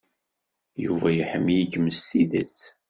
Yuba iḥemmel-ikem s tidet.